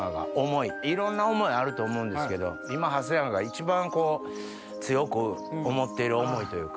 いろんな想いあると思うんですけど今ハセヤンが一番強く思ってる想いというか。